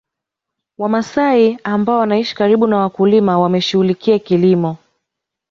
Wamasai ambao wanaishi karibu na wakulima wameshughulikia kilimo